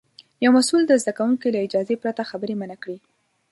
یو مسوول د زده کوونکي له اجازې پرته خبرې منع کړې.